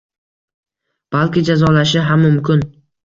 Balki jazolanishi ham mumkin